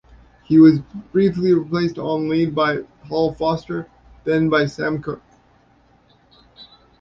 He was briefly replaced on lead by Paul Foster, then by Sam Cooke.